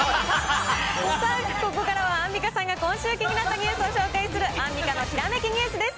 さあ、ここからはアンミカさんが、今週気になったニュースを紹介するアンミカのきらめきニュースです。